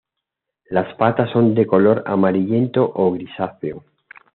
Las patas son de un color amarillento o grisáceo.